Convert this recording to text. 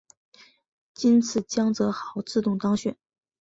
今次江泽濠自动当选。